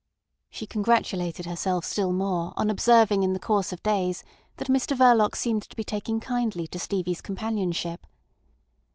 She congratulated herself still more on observing in the course of days that Mr Verloc seemed to be taking kindly to Stevie's companionship.